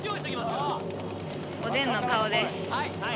おでんの顔です。